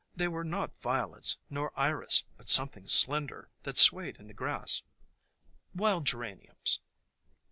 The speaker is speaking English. They were not Violets, nor Iris, but something slender that swayed in the grass." "Wild Geraniums."